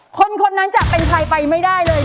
คนนั้นจะเป็นใครไปไม่ได้เลย